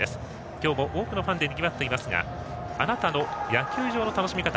今日も多くのファンでにぎわっていますがあなたの野球場の楽しみ方。